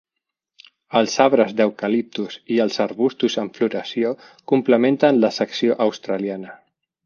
Els arbres d'eucaliptus i els arbustos en floració complementen la secció australiana.